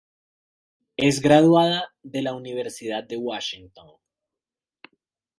Es graduada de la Universidad de Washington.